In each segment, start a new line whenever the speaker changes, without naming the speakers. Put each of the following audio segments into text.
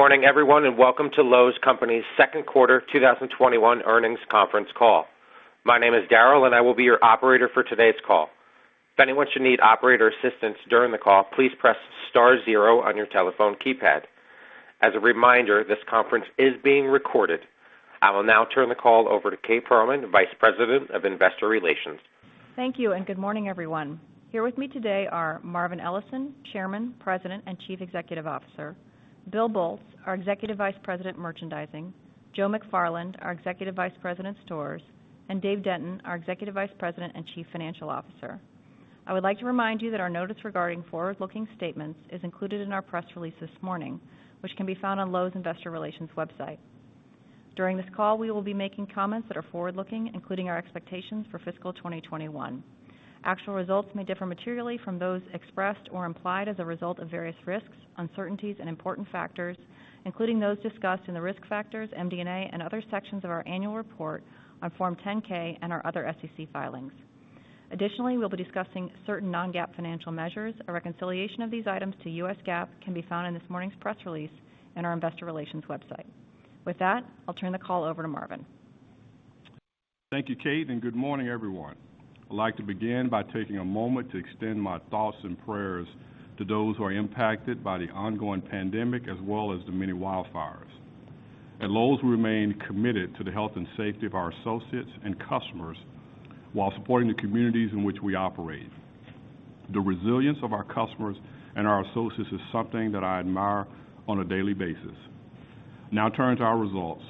Good morning, everyone, and welcome to Lowe's Companies Second Quarter 2021 Earnings Conference Call. My name is Daryl and I will be your operator for today's call. If anyone should need operator assistance during the call, please press star zero on your telephone keypad. As a reminder, this conference is being recorded. I will now turn the call over to Kate Pearlman, Vice President of Investor Relations.
Thank you, and good morning, everyone. Here with me today are Marvin Ellison, Chairman, President, and Chief Executive Officer, Bill Boltz, our Executive Vice President, Merchandising, Joe McFarland, our Executive Vice President, Stores, and Dave Denton, our Executive Vice President and Chief Financial Officer. I would like to remind you that our notice regarding forward-looking statements is included in our press release this morning, which can be found on Lowe’s Investor Relations website. During this call, we will be making comments that are forward-looking, including our expectations for fiscal 2021. Actual results may differ materially from those expressed or implied as a result of various risks, uncertainties, and important factors, including those discussed in the risk factors, MD&A, and other sections of our annual report on Form 10-K and our other SEC filings. Additionally, we'll be discussing certain non-GAAP financial measures. A reconciliation of these items to U.S. GAAP can be found in this morning's press release in our investor relations website. With that, I'll turn the call over to Marvin.
Thank you, Kate. Good morning, everyone. I'd like to begin by taking a moment to extend my thoughts and prayers to those who are impacted by the ongoing pandemic as well as the many wildfires. At Lowe's, we remain committed to the health and safety of our associates and customers while supporting the communities in which we operate. The resilience of our customers and our associates is something that I admire on a daily basis. Turning to our results.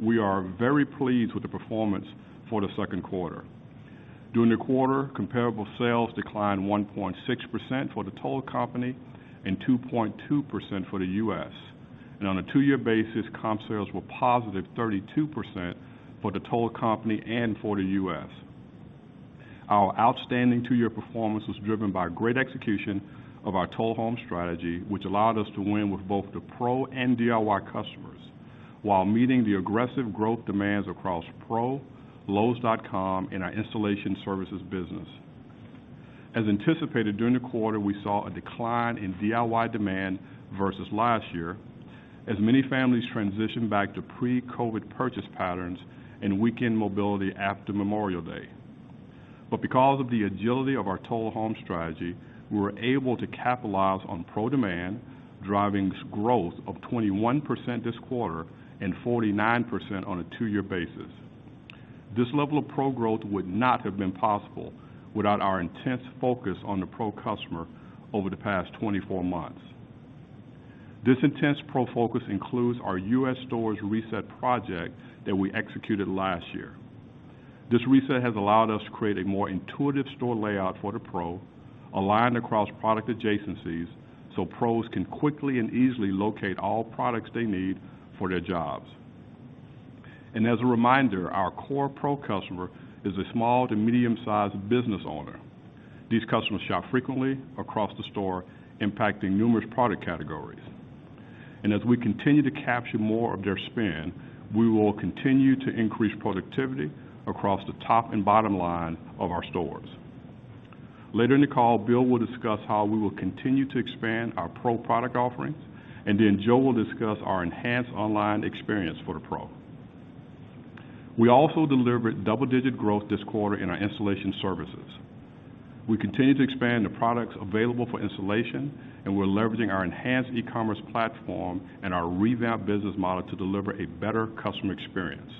We are very pleased with the performance for the second quarter. During the quarter, comparable sales declined 1.6% for the total company and 2.2% for the U.S. On a two-year basis, comp sales were positive 32% for the total company and for the U.S. Our outstanding two-year performance was driven by great execution of our Total Home Strategy, which allowed us to win with both the Pro and DIY customers while meeting the aggressive growth demands across Pro, lowes.com, and our installation services business. As anticipated during the quarter, we saw a decline in DIY demand versus last year as many families transitioned back to pre-COVID purchase patterns and weakened mobility after Memorial Day. Because of the agility of our Total Home Strategy, we were able to capitalize on Pro demand, driving growth of 21% this quarter and 49% on a two-year basis. This level of Pro growth would not have been possible without our intense focus on the Pro customer over the past 24 months. This intense Pro focus includes our U.S. stores reset project that we executed last year. This reset has allowed us to create a more intuitive store layout for the pro, aligned across product adjacencies so pros can quickly and easily locate all products they need for their jobs. As a reminder, our core Pro customer is a small to medium-sized business owner. These customers shop frequently across the store, impacting numerous product categories. As we continue to capture more of their spend, we will continue to increase productivity across the top and bottom line of our stores. Later in the call, Bill will discuss how we will continue to expand our Pro product offerings, and then Joe will discuss our enhanced online experience for the pro. We also delivered double-digit growth this quarter in our installation services. We continue to expand the products available for installation, we're leveraging our enhanced e-commerce platform and our revamped business model to deliver a better customer experience.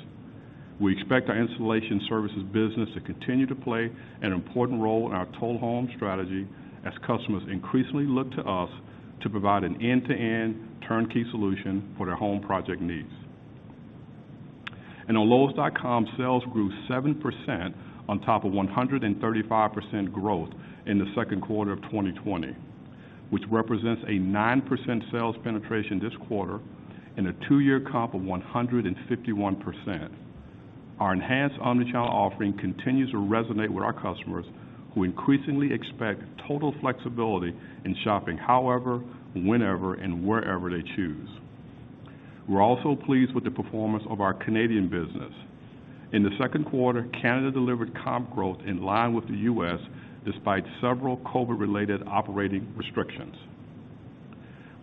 We expect our installation services business to continue to play an important role in our Total Home Strategy as customers increasingly look to us to provide an end-to-end turnkey solution for their home project needs. Our lowes.com sales grew 7% on top of 135% growth in the second quarter of 2020, which represents a 9% sales penetration this quarter and a two-year comp of 151%. Our enhanced omnichannel offering continues to resonate with our customers who increasingly expect total flexibility in shopping however, whenever, and wherever they choose. We're also pleased with the performance of our Canadian business. In the second quarter, Canada delivered comp growth in line with the U.S. despite several COVID-related operating restrictions.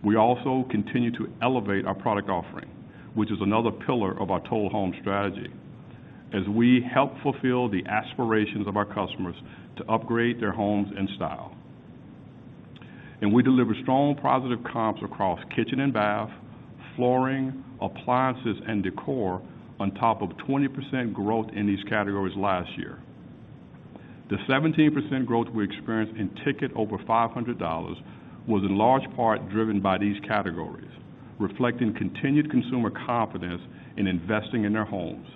We also continue to elevate our product offering, which is another pillar of our Total Home Strategy as we help fulfill the aspirations of our customers to upgrade their homes in style. We delivered strong positive comps across kitchen and bath, flooring, appliances, and decor on top of 20% growth in these categories last year. The 17% growth we experienced in ticket over $500 was in large part driven by these categories, reflecting continued consumer confidence in investing in their homes.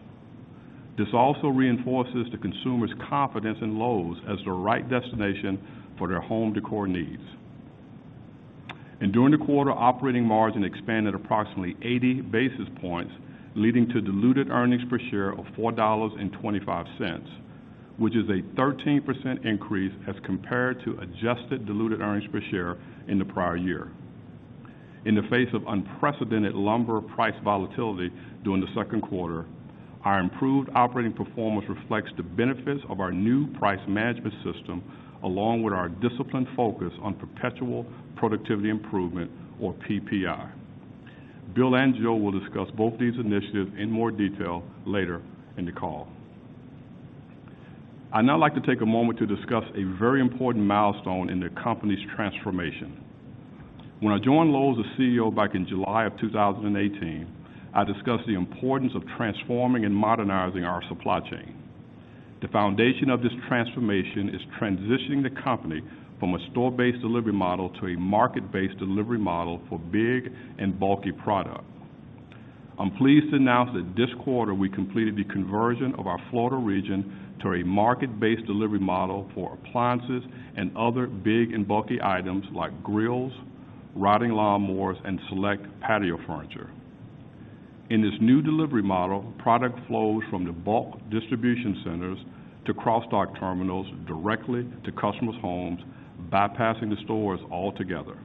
This also reinforces the consumer's confidence in Lowe's as the right destination for their home decor needs. During the quarter, operating margin expanded approximately 80 basis points, leading to diluted earnings per share of $4.25, which is a 13% increase as compared to adjusted diluted earnings per share in the prior year. In the face of unprecedented lumber price volatility during the second quarter. Our improved operating performance reflects the benefits of our new price management system, along with our disciplined focus on perpetual productivity improvement or PPI. Bill and Joe will discuss both these initiatives in more detail later in the call. I'd now like to take a moment to discuss a very important milestone in the company's transformation. When I joined Lowe's as CEO back in July of 2018, I discussed the importance of transforming and modernizing our supply chain. The foundation of this transformation is transitioning the company from a store-based delivery model to a market-based delivery model for big and bulky product. I'm pleased to announce that this quarter we completed the conversion of our Florida region to a market-based delivery model for appliances and other big and bulky items like grills, riding lawnmowers, and select patio furniture. In this new delivery model, product flows from the bulk distribution centers to cross-dock terminals directly to customers' homes, bypassing the stores altogether.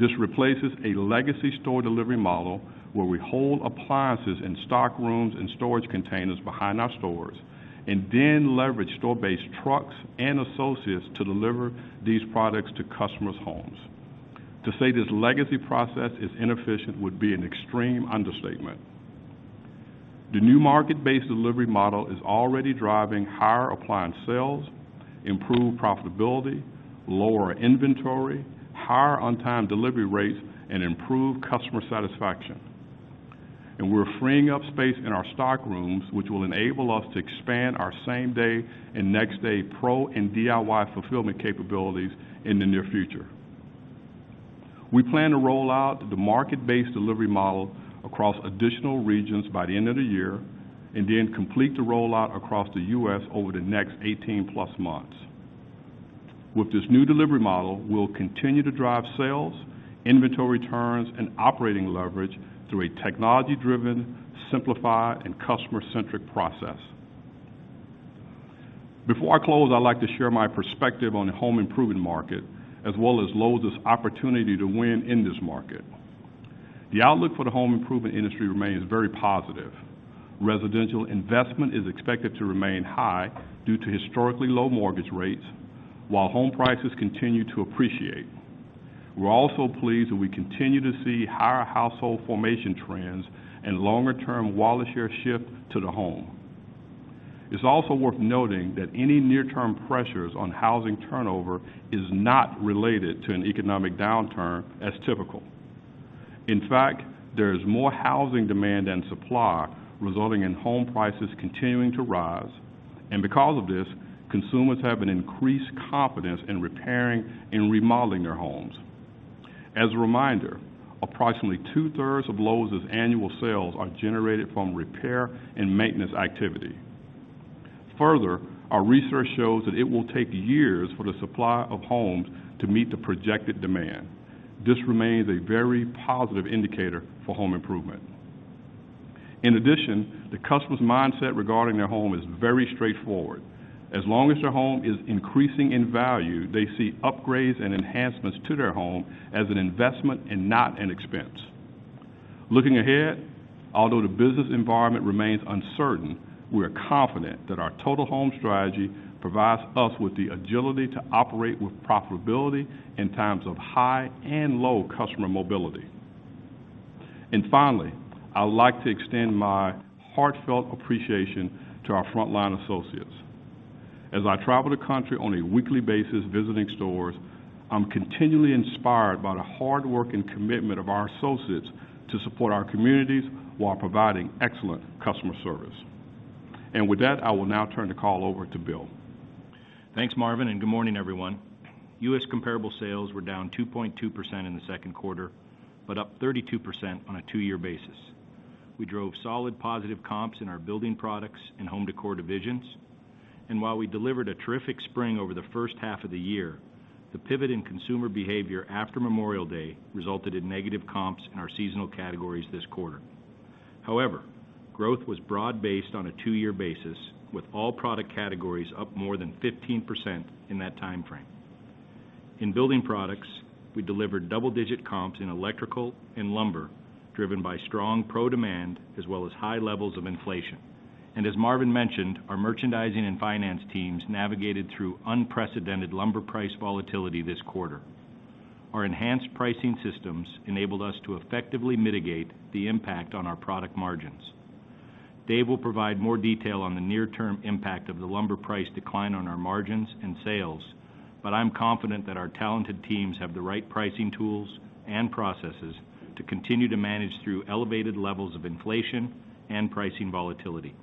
This replaces a legacy store delivery model where we hold appliances in stock rooms and storage containers behind our stores and then leverage store-based trucks and associates to deliver these products to customers' homes. To say this legacy process is inefficient would be an extreme understatement. The new market-based delivery model is already driving higher appliance sales, improved profitability, lower inventory, higher on-time delivery rates, and improved customer satisfaction. We're freeing up space in our stock rooms, which will enable us to expand our same-day and next-day Pro and DIY fulfillment capabilities in the near future. We plan to roll out the market-based delivery model across additional regions by the end of the year and then complete the rollout across the U.S. over the next 18+ months. With this new delivery model, we'll continue to drive sales, inventory turns, and operating leverage through a technology-driven, simplified, and customer-centric process. Before I close, I'd like to share my perspective on the home improvement market as well as Lowe's opportunity to win in this market. The outlook for the home improvement industry remains very positive. Residential investment is expected to remain high due to historically low mortgage rates while home prices continue to appreciate. We're also pleased that we continue to see higher household formation trends and longer-term wallet share shift to the home. It's also worth noting that any near-term pressures on housing turnover is not related to an economic downturn as typical. In fact, there is more housing demand than supply, resulting in home prices continuing to rise, and because of this, consumers have an increased confidence in repairing and remodeling their homes. As a reminder, approximately 2/3 of Lowe's annual sales are generated from repair and maintenance activity. Further, our research shows that it will take years for the supply of homes to meet the projected demand. This remains a very positive indicator for home improvement. In addition, the customer's mindset regarding their home is very straightforward. As long as their home is increasing in value, they see upgrades and enhancements to their home as an investment and not an expense. Looking ahead, although the business environment remains uncertain, we are confident that our Total Home Strategy provides us with the agility to operate with profitability in times of high and low customer mobility. Finally, I'd like to extend my heartfelt appreciation to our frontline associates. As I travel the country on a weekly basis visiting stores, I'm continually inspired by the hard work and commitment of our associates to support our communities while providing excellent customer service. With that, I will now turn the call over to Bill.
Thanks, Marvin. Good morning, everyone. U.S. comparable sales were down 2.2% in the second quarter, up 32% on a two-year basis. We drove solid positive comps in our building products and home decor divisions. While we delivered a terrific spring over the first half of the year, the pivot in consumer behavior after Memorial Day resulted in negative comps in our seasonal categories this quarter. However, growth was broad-based on a two-year basis, with all product categories up more than 15% in that timeframe. In building products, we delivered double-digit comps in electrical and lumber, driven by strong Pro demand as well as high levels of inflation. As Marvin mentioned, our merchandising and finance teams navigated through unprecedented lumber price volatility this quarter. Our enhanced pricing systems enabled us to effectively mitigate the impact on our product margins. Dave will provide more detail on the near-term impact of the lumber price decline on our margins and sales, but I'm confident that our talented teams have the right pricing tools and processes to continue to manage through elevated levels of inflation and pricing volatility.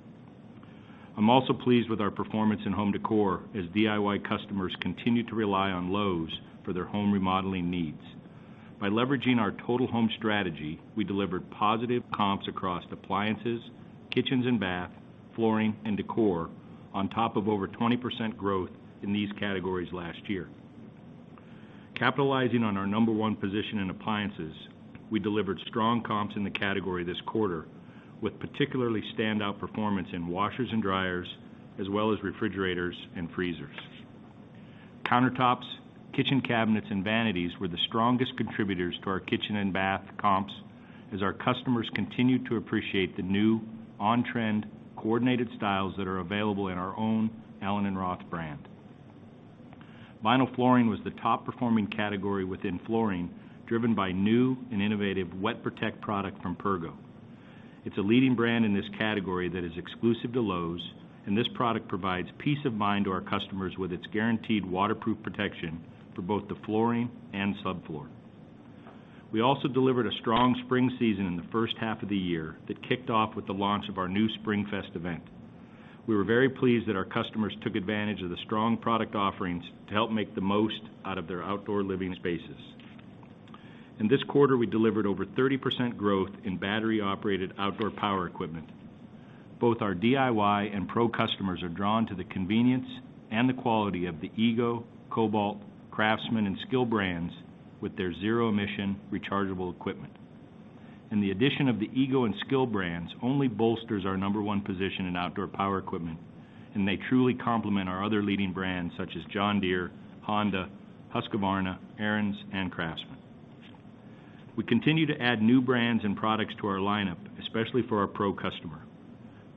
I'm also pleased with our performance in home decor as DIY customers continue to rely on Lowe's for their home remodeling needs. By leveraging our Total Home Strategy, we delivered positive comps across appliances, kitchens and bath, flooring, and decor on top of over 20% growth in these categories last year. Capitalizing on our number one position in appliances, we delivered strong comps in the category this quarter with particularly standout performance in washers and dryers as well as refrigerators and freezers. Countertops, kitchen cabinets, and vanities were the strongest contributors to our kitchen and bath comps as our customers continued to appreciate the new on-trend coordinated styles that are available in our own allen + roth brand. Vinyl flooring was the top-performing category within flooring, driven by new and innovative WetProtect product from Pergo. It's a leading brand in this category that is exclusive to Lowe's, and this product provides peace of mind to our customers with its guaranteed waterproof protection for both the flooring and subfloor. We also delivered a strong spring season in the first half of the year that kicked off with the launch of our new SpringFest event. We were very pleased that our customers took advantage of the strong product offerings to help make the most out of their outdoor living spaces. In this quarter, we delivered over 30% growth in battery-operated outdoor power equipment. Both our DIY and Pro customers are drawn to the convenience and the quality of the EGO, Kobalt, CRAFTSMAN, and SKIL brands with their zero-emission rechargeable equipment. The addition of the EGO and SKIL brands only bolsters our number one position in outdoor power equipment, and they truly complement our other leading brands such as John Deere, Honda, Husqvarna, Ariens, and CRAFTSMAN. We continue to add new brands and products to our lineup, especially for our Pro customer.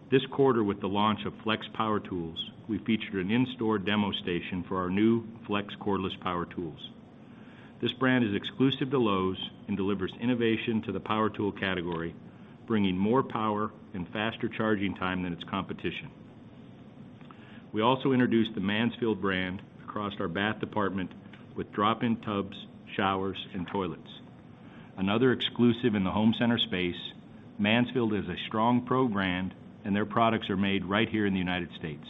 This quarter with the launch of FLEX Power Tools, we featured an in-store demo station for our new FLEX cordless power tools. This brand is exclusive to Lowe's and delivers innovation to the power tool category, bringing more power and faster charging time than its competition. We also introduced the Mansfield brand across our bath department with drop-in tubs, showers, and toilets. Another exclusive in the home center space, Mansfield is a strong Pro brand, and their products are made right here in the United States.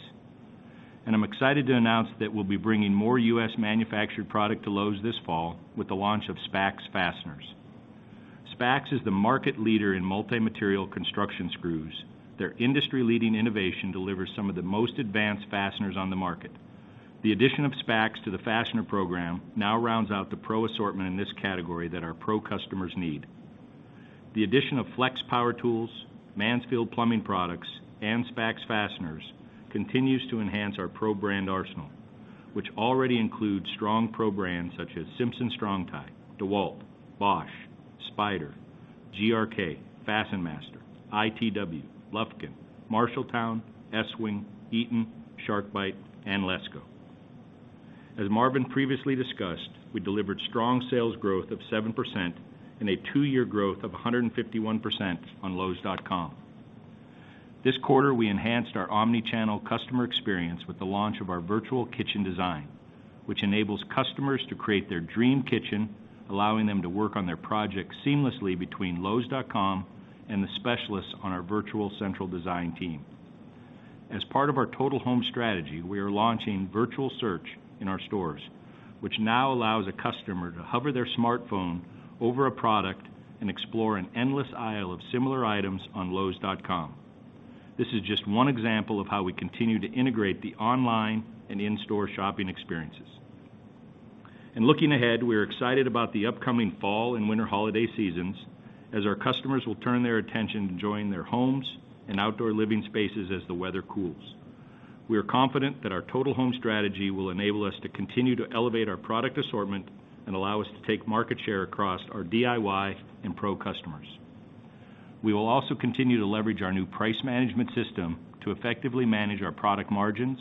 I'm excited to announce that we'll be bringing more U.S.-manufactured product to Lowe's this fall with the launch of SPAX fasteners. SPAX is the market leader in multi-material construction screws. Their industry-leading innovation delivers some of the most advanced fasteners on the market. The addition of SPAX to the fastener program now rounds out the Pro assortment in this category that our Pro customers need. The addition of FLEX power tools, Mansfield plumbing products, and SPAX fasteners continues to enhance our Pro brand arsenal, which already includes strong Pro brands such as Simpson Strong-Tie, DEWALT, Bosch, Spyder, GRK, FastenMaster, ITW, Lufkin, Marshalltown, Estwing, Eaton, SharkBite, and Lesco. As Marvin previously discussed, we delivered strong sales growth of 7% and a two-year growth of 151% on lowes.com. This quarter, we enhanced our omnichannel customer experience with the launch of our virtual kitchen design, which enables customers to create their dream kitchen, allowing them to work on their project seamlessly between lowes.com and the specialists on our virtual central design team. As part of our Total Home Strategy, we are launching Visual Search in our stores, which now allows a customer to hover their smartphone over a product and explore an endless aisle of similar items on lowes.com. This is just one example of how we continue to integrate the online and in-store shopping experiences. Looking ahead, we are excited about the upcoming fall and winter holiday seasons as our customers will turn their attention to enjoying their homes and outdoor living spaces as the weather cools. We are confident that our Total Home Strategy will enable us to continue to elevate our product assortment and allow us to take market share across our DIY and Pro customers. We will also continue to leverage our new price management system to effectively manage our product margins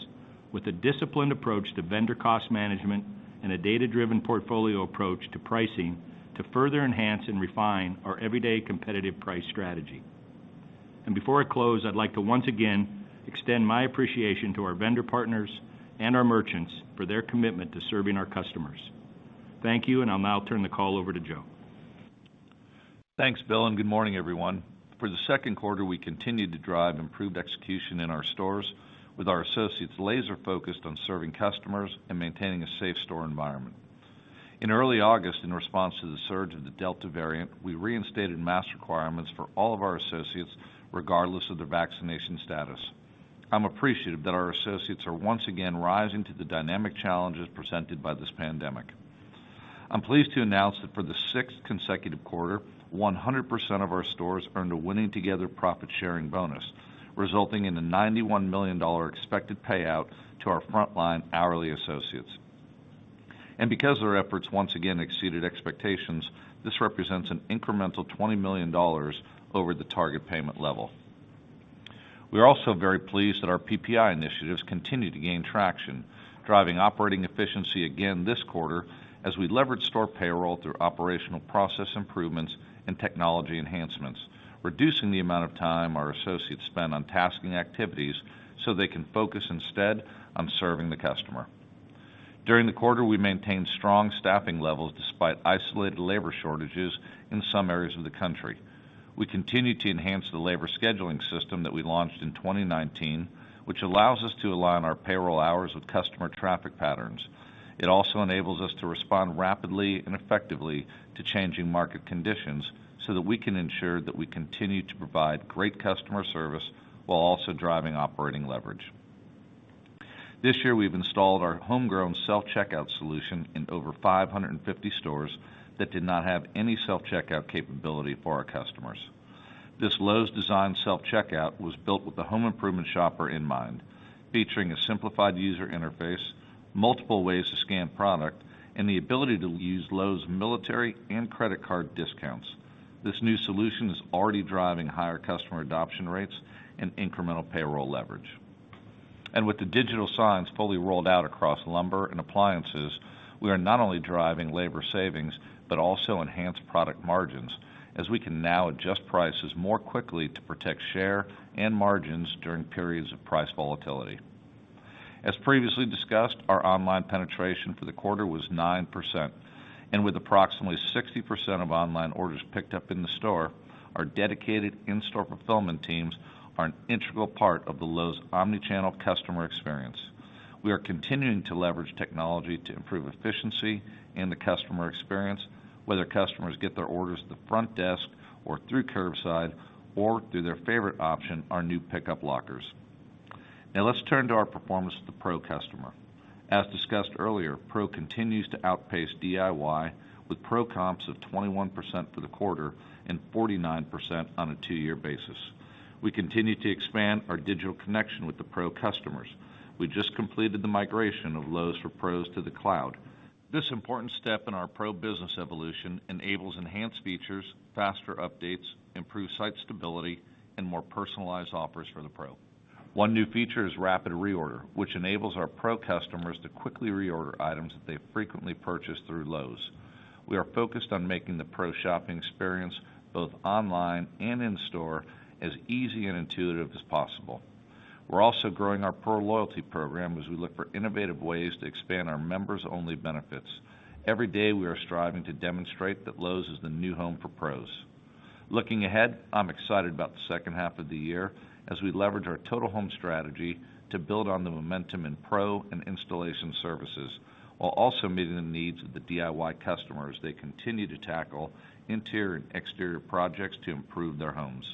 with a disciplined approach to vendor cost management and a data-driven portfolio approach to pricing to further enhance and refine our everyday competitive price strategy. Before I close, I'd like to once again extend my appreciation to our vendor partners and our merchants for their commitment to serving our customers. Thank you, and I'll now turn the call over to Joe.
Thanks, Bill. Good morning, everyone. For the second quarter, we continued to drive improved execution in our stores with our associates laser-focused on serving customers and maintaining a safe store environment. In early August, in response to the surge of the Delta variant, we reinstated mask requirements for all of our associates, regardless of their vaccination status. I'm appreciative that our associates are once again rising to the dynamic challenges presented by this pandemic. I'm pleased to announce that for the sixth consecutive quarter, 100% of our stores earned a Winning Together profit-sharing bonus, resulting in a $91 million expected payout to our frontline hourly associates. Because their efforts once again exceeded expectations, this represents an incremental $20 million over the target payment level. We are also very pleased that our PPI initiatives continue to gain traction, driving operating efficiency again this quarter as we leverage store payroll through operational process improvements and technology enhancements, reducing the amount of time our associates spend on tasking activities so they can focus instead on serving the customer. During the quarter, we maintained strong staffing levels despite isolated labor shortages in some areas of the country. We continue to enhance the labor scheduling system that we launched in 2019, which allows us to align our payroll hours with customer traffic patterns. It also enables us to respond rapidly and effectively to changing market conditions so that we can ensure that we continue to provide great customer service while also driving operating leverage. This year, we've installed our homegrown self-checkout solution in over 550 stores that did not have any self-checkout capability for our customers. This Lowe's design self-checkout was built with the home improvement shopper in mind, featuring a simplified user interface, multiple ways to scan product, and the ability to use Lowe's military and credit card discounts. This new solution is already driving higher customer adoption rates and incremental payroll leverage. With the digital signs fully rolled out across lumber and appliances, we are not only driving labor savings, but also enhanced product margins, as we can now adjust prices more quickly to protect share and margins during periods of price volatility. As previously discussed, our online penetration for the quarter was 9%, and with approximately 60% of online orders picked up in the store, our dedicated in-store fulfillment teams are an integral part of the Lowe's omni-channel customer experience. We are continuing to leverage technology to improve efficiency and the customer experience, whether customers get their orders at the front desk or through curbside or through their favorite option, our new pickup lockers. Let's turn to our performance with the Pro customer. As discussed earlier, Pro continues to outpace DIY with Pro comps of 21% for the quarter and 49% on a two-year basis. We continue to expand our digital connection with the Pro customers. We just completed the migration of Lowe's for Pros to the cloud. This important step in our Pro business evolution enables enhanced features, faster updates, improved site stability, and more personalized offers for the Pro. One new feature is Buy It Again, which enables our Pro customers to quickly reorder items that they frequently purchase through Lowe's. We are focused on making the Pro shopping experience, both online and in-store, as easy and intuitive as possible. We're also growing our Pro loyalty program as we look for innovative ways to expand our members-only benefits. Every day, we are striving to demonstrate that Lowe's is the new home for pros. Looking ahead, I'm excited about the second half of the year as we leverage our Total Home Strategy to build on the momentum in Pro and installation services, while also meeting the needs of the DIY customers as they continue to tackle interior and exterior projects to improve their homes.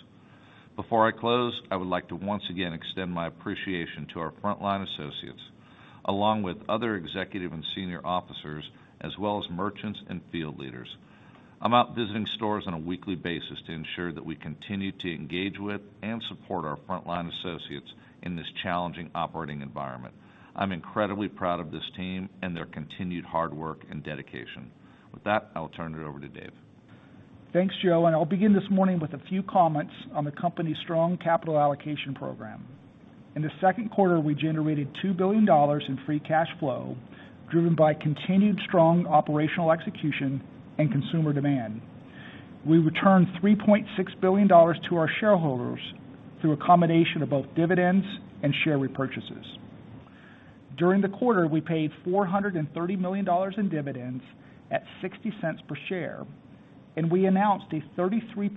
Before I close, I would like to once again extend my appreciation to our frontline associates, along with other executive and senior officers, as well as merchants and field leaders. I'm out visiting stores on a weekly basis to ensure that we continue to engage with and support our frontline associates in this challenging operating environment. I'm incredibly proud of this team and their continued hard work and dedication. With that, I'll turn it over to Dave.
Thanks, Joe, I'll begin this morning with a few comments on Lowe's strong capital allocation program. In the second quarter, we generated $2 billion in free cash flow, driven by continued strong operational execution and consumer demand. We returned $3.6 billion to our shareholders through a combination of both dividends and share repurchases. During the quarter, we paid $430 million in dividends at $0.60 per share, we announced a 33%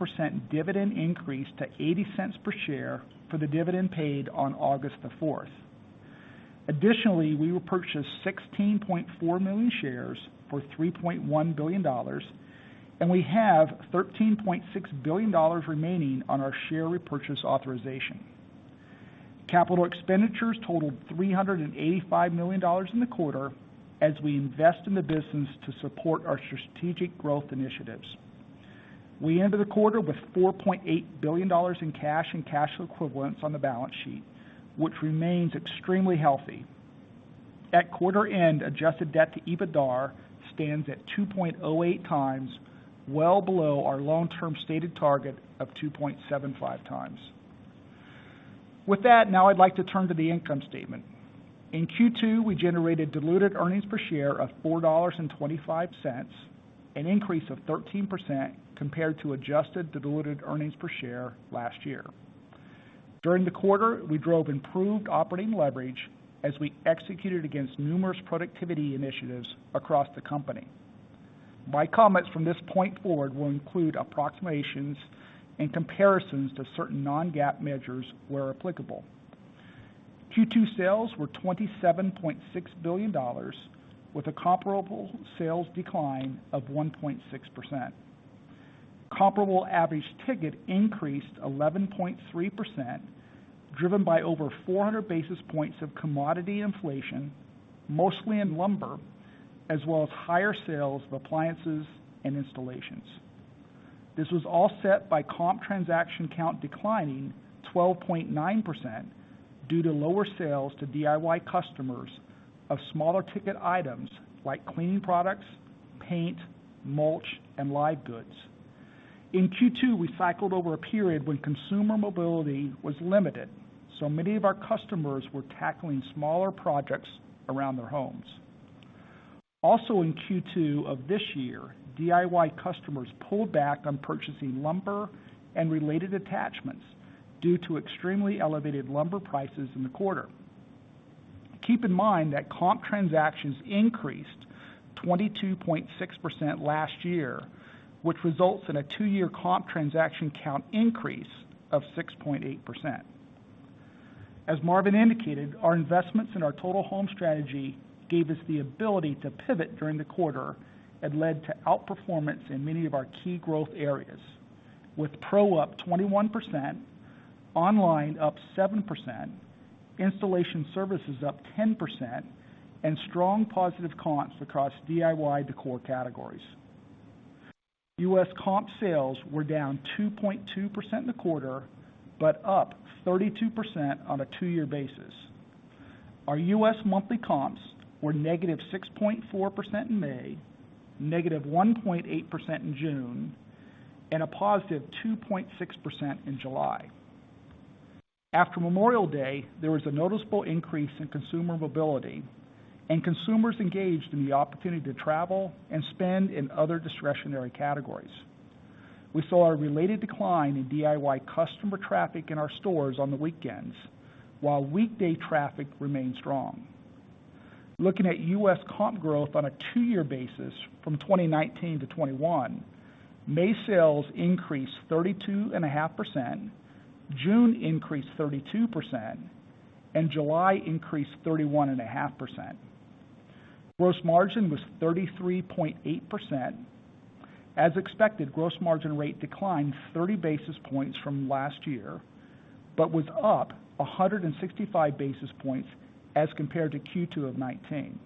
dividend increase to $0.80 per share for the dividend paid on August 4th. Additionally, we will purchase 16.4 million shares for $3.1 billion, we have $13.6 billion remaining on our share repurchase authorization. Capital expenditures totaled $385 million in the quarter as we invest in the business to support our strategic growth initiatives. We ended the quarter with $4.8 billion in cash and cash equivalents on the balance sheet, which remains extremely healthy. At quarter end, adjusted debt to EBITDAR stands at 2.08x, well below our long-term stated target of 2.75x. With that, now I'd like to turn to the income statement. In Q2, we generated diluted earnings per share of $4.25, an increase of 13% compared to adjusted diluted earnings per share last year. During the quarter, we drove improved operating leverage as we executed against numerous productivity initiatives across the company. My comments from this point forward will include approximations and comparisons to certain non-GAAP measures where applicable. Q2 sales were $27.6 billion with a comparable sales decline of 1.6%. Comparable average ticket increased 11.3%, driven by over 400 basis points of commodity inflation, mostly in lumber, as well as higher sales of appliances and installations. This was all set by comp transaction count declining 12.9% due to lower sales to DIY customers of smaller ticket items like cleaning products, paint, mulch, and live goods. In Q2, we cycled over a period when consumer mobility was limited, so many of our customers were tackling smaller projects around their homes. Also in Q2 of this year, DIY customers pulled back on purchasing lumber and related attachments due to extremely elevated lumber prices in the quarter. Keep in mind that comp transactions increased 22.6% last year, which results in a two-year comp transaction count increase of 6.8%. As Marvin indicated, our investments in our Total Home Strategy gave us the ability to pivot during the quarter and led to outperformance in many of our key growth areas. With Pro up 21%, Online up 7%, installation services up 10%, and strong positive comps across DIY decor categories. U.S. comp sales were down 2.2% in the quarter, but up 32% on a two-year basis. Our U.S. monthly comps were -6.4% in May, -1.8% in June, and a +2.6% in July. After Memorial Day, there was a noticeable increase in consumer mobility, and consumers engaged in the opportunity to travel and spend in other discretionary categories. We saw a related decline in DIY customer traffic in our stores on the weekends, while weekday traffic remained strong. Looking at U.S. comp growth on a two-year basis from 2019 to 2021, May sales increased 32.5%, June increased 32%, and July increased 31.5%. Gross margin was 33.8%. As expected, gross margin rate declined 30 basis points from last year, but was up 165 basis points as compared to Q2 of '19.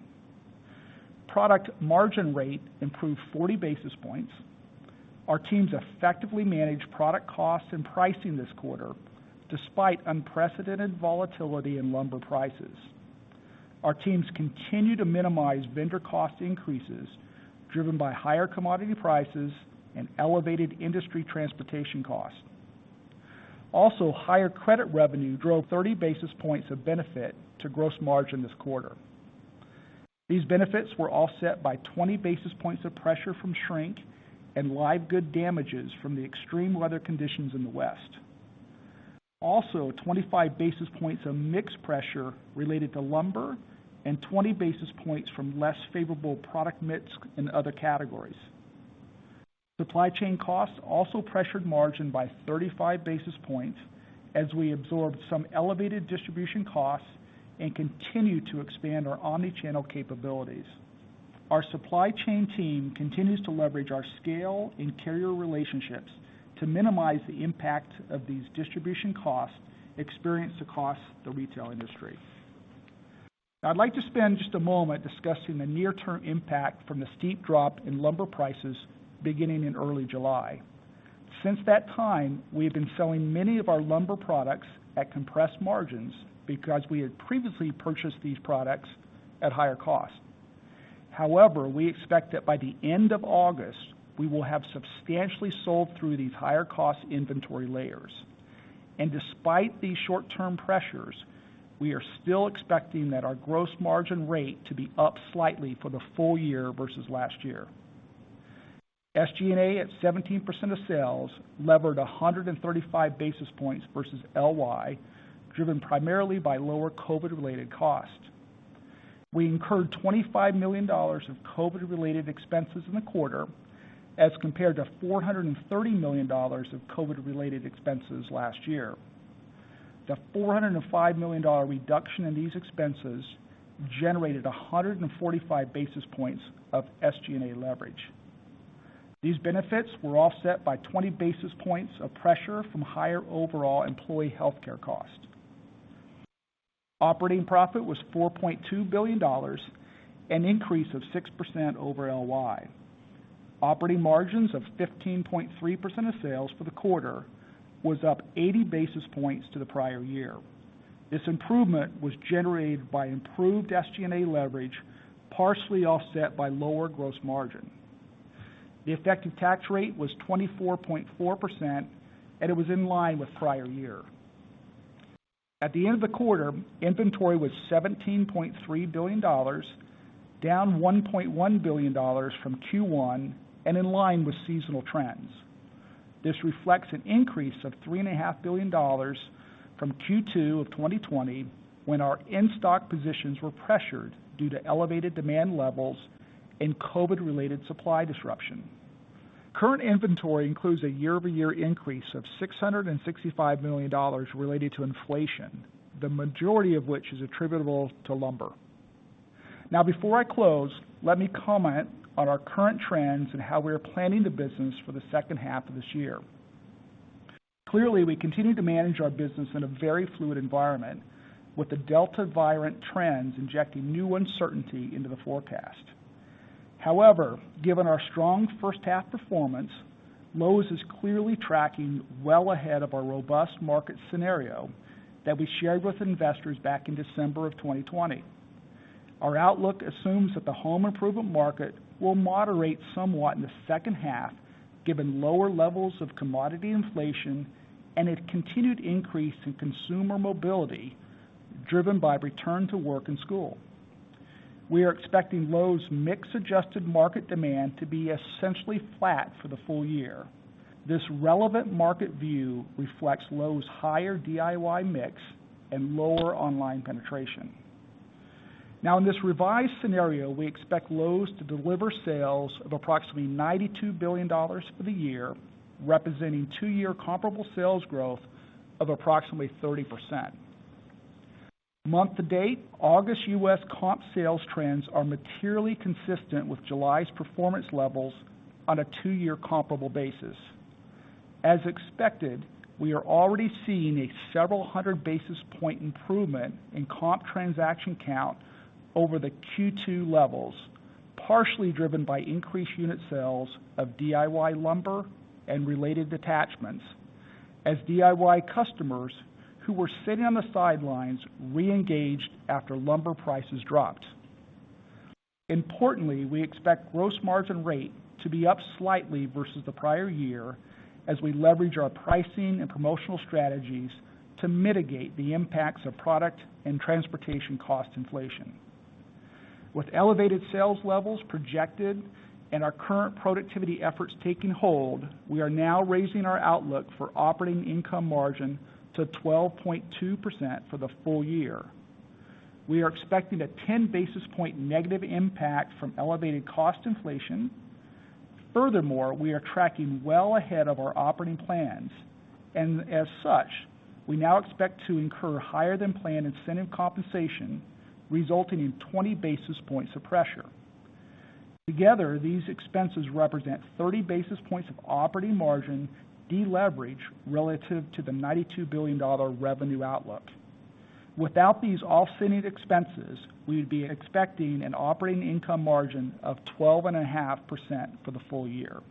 Product margin rate improved 40 basis points. Our teams effectively managed product costs and pricing this quarter, despite unprecedented volatility in lumber prices. Our teams continue to minimize vendor cost increases driven by higher commodity prices and elevated industry transportation costs. Higher credit revenue drove 30 basis points of benefit to gross margin this quarter. These benefits were offset by 20 basis points of pressure from shrink and live good damages from the extreme weather conditions in the West. 25 basis points of mix pressure related to lumber and 20 basis points from less favorable product mix in other categories. Supply chain costs also pressured margin by 35 basis points as we absorbed some elevated distribution costs and continued to expand our omni-channel capabilities. Our supply chain team continues to leverage our scale and carrier relationships to minimize the impact of these distribution costs experienced across the retail industry. I'd like to spend just a moment discussing the near-term impact from the steep drop in lumber prices beginning in early July. Since that time, we have been selling many of our lumber products at compressed margins because we had previously purchased these products at higher cost. We expect that by the end of August, we will have substantially sold through these higher-cost inventory layers. Despite these short-term pressures, we are still expecting that our gross margin rate to be up slightly for the full year versus last year. SG&A at 17% of sales levered 135 basis points versus LY, driven primarily by lower COVID-related costs. We incurred $25 million of COVID-related expenses in the quarter as compared to $430 million of COVID-related expenses last year. The $405 million reduction in these expenses generated 145 basis points of SG&A leverage. These benefits were offset by 20 basis points of pressure from higher overall employee healthcare costs. Operating profit was $4.2 billion, an increase of 6% over LY. Operating margins of 15.3% of sales for the quarter was up 80 basis points to the prior year. This improvement was generated by improved SG&A leverage, partially offset by lower gross margin. The effective tax rate was 24.4%, and it was in line with prior year. At the end of the quarter, inventory was $17.3 billion, down $1.1 billion from Q1 and in line with seasonal trends. This reflects an increase of $3.5 billion from Q2 of 2020, when our in-stock positions were pressured due to elevated demand levels and COVID-related supply disruption. Current inventory includes a year-over-year increase of $665 million related to inflation, the majority of which is attributable to lumber. Now before I close, let me comment on our current trends and how we are planning the business for the second half of this year. Clearly, we continue to manage our business in a very fluid environment, with the Delta variant trends injecting new uncertainty into the forecast. However, given our strong first half performance, Lowe's is clearly tracking well ahead of our robust market scenario that we shared with investors back in December of 2020. Our outlook assumes that the home improvement market will moderate somewhat in the second half given lower levels of commodity inflation and a continued increase in consumer mobility driven by return to work and school. We are expecting Lowe's mix-adjusted market demand to be essentially flat for the full year. This relevant market view reflects Lowe's higher DIY mix and lower online penetration. In this revised scenario, we expect Lowe's to deliver sales of approximately $92 billion for the year, representing two-year comparable sales growth of approximately 30%. Month to date, August U.S. comp sales trends are materially consistent with July's performance levels on a two-year comparable basis. As expected, we are already seeing a several hundred basis point improvement in comp transaction count over the Q2 levels, partially driven by increased unit sales of DIY lumber and related attachments as DIY customers who were sitting on the sidelines reengaged after lumber prices dropped. Importantly, we expect gross margin rate to be up slightly versus the prior year as we leverage our pricing and promotional strategies to mitigate the impacts of product and transportation cost inflation. With elevated sales levels projected and our current productivity efforts taking hold, we are now raising our outlook for operating income margin to 12.2% for the full year. We are expecting a 10 basis point negative impact from elevated cost inflation. We are tracking well ahead of our operating plans and as such, we now expect to incur higher than planned incentive compensation, resulting in 20 basis points of pressure. Together, these expenses represent 30 basis points of operating margin deleverage relative to the $92 billion revenue outlook. Without these offsetting expenses, we'd be expecting an operating income margin of 12.5% for the full year.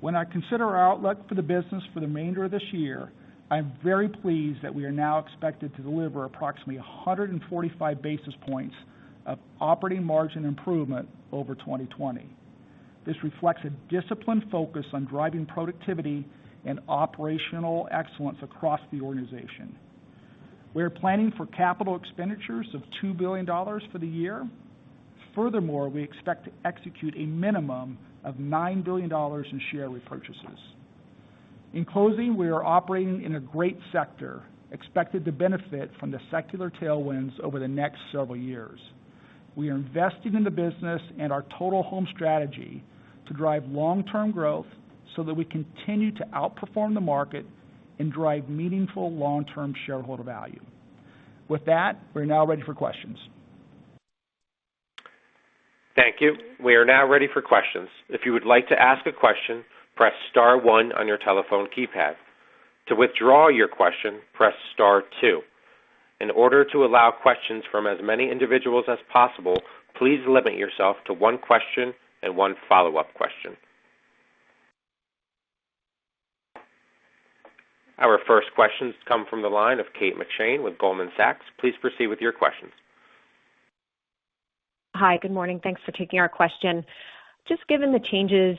When I consider our outlook for the business for the remainder of this year, I'm very pleased that we are now expected to deliver approximately 145 basis points of operating margin improvement over 2020. This reflects a disciplined focus on driving productivity and operational excellence across the organization. We are planning for capital expenditures of $2 billion for the year. Furthermore, we expect to execute a minimum of $9 billion in share repurchases. In closing, we are operating in a great sector, expected to benefit from the secular tailwinds over the next several years. We are investing in the business and our Total Home Strategy to drive long-term growth so that we continue to outperform the market and drive meaningful long-term shareholder value. With that, we're now ready for questions.
Thank you. We are now ready for questions. If you would like to ask a question, press star one on your telephone keypad. To withdraw your question, press star two. In order to allow questions from as many individuals as possible, please limit yourself to one question and one follow-up question. Our first questions come from the line of Kate McShane with Goldman Sachs. Please proceed with your questions.
Hi. Good morning. Thanks for taking our question. Given the changes